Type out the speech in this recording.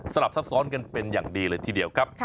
ลับซับซ้อนกันเป็นอย่างดีเลยทีเดียวครับ